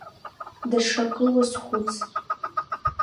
Даҽакы уазхәыц!